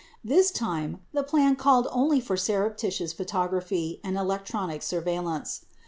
This time the plan called only for surrepti tious photography and electronic surveillance.